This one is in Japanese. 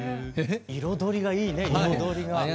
彩りがいいね彩りが。